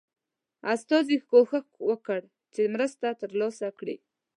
استازي کوښښ وکړ چې مرسته ترلاسه کړي.